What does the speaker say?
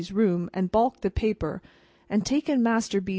's room and balked the paper, and taken Master B.